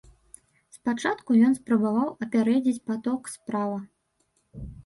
Спачатку ён спрабаваў апярэдзіць паток справа.